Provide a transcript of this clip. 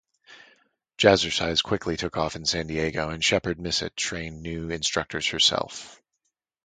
Jazzercise quickly took off in San Diego and Sheppard Missett trained new instructors herself.